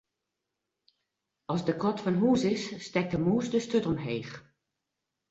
As de kat fan hûs is, stekt de mûs de sturt omheech.